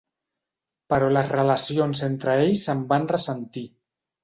Però les relacions entre ells se'n van ressentir.